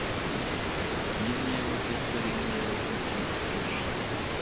iyi niyo modoka linda yavuzwe ejo